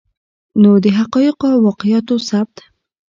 نو د حقایقو او واقعاتو ثبت